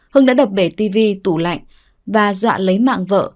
hưng đã đập bể tv tủ lạnh và dọa lấy mạng vợ